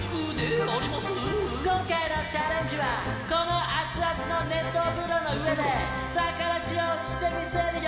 今回のチャレンジはこのあつあつの熱湯風呂の上で逆立ちをしてみせるよ。